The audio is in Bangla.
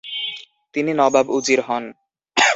তিনি নবাব উজির হন।